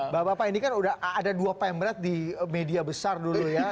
bapak bapak ini kan udah ada dua pemret di media besar dulu ya